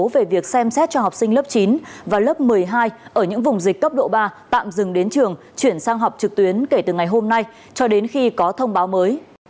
về việc xem xét cho học sinh lớp chín và lớp một mươi hai ở những vùng dịch cấp độ ba tạm dừng đến trường chuyển sang học trực tuyến kể từ ngày hôm nay cho đến khi có thông báo mới